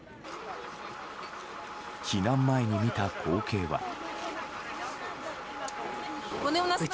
避難前に見た光景は。